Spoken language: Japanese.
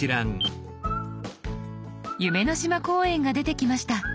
「夢の島公園」が出てきました。